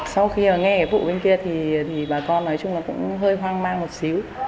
sau khi nghe cái vụ bên kia thì bà con nói chung là cũng hơi hoang mang một xíu